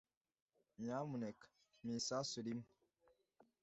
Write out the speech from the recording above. Nyamuneka mpa isasu rimwe.